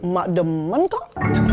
mak demen kok